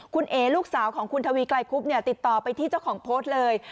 คุณเอ๋ลูกสาวของคุณทวีไกลคุบติดต่อไปที่เจ้าของโพสต์เลย